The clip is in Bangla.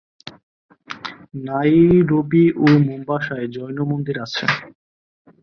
নাইরোবি ও মোম্বাসায় জৈন মন্দির আছে।